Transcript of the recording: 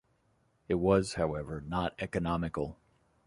It was, however, not economical.